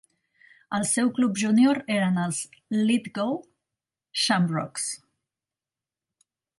El seu club júnior eren els Lithgow Shamrocks.